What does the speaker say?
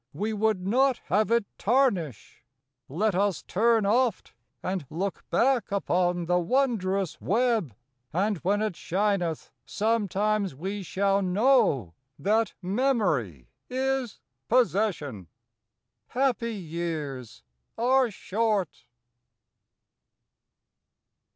6 1 We would not have it tarnish ; let us turn Oft and look back upon the wondrous web, And when it shineth sometimes we shall know That memory is possession. Happy years are short.